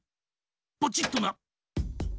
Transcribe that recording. ポチっとな。